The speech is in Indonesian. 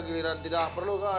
giliran tidak perlu kak